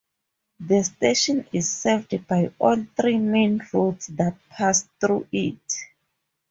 The station is served by all three main routes that pass through it.